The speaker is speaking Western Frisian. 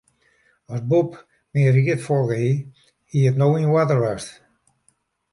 As Bob myn ried folge hie, hie it no yn oarder west.